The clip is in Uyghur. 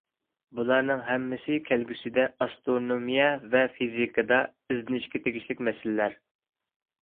بۇلارنىڭ ھەممىسى كەلگۈسىدە ئاسترونومىيە ۋە فىزىكىدا ئىزدىنىشكە تېگىشلىك مەسىلىلەر.